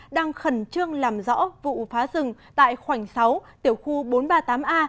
đang khẩn trương làm rõ vụ phá rừng tại khoảnh sáu tiểu khu bốn trăm ba mươi tám a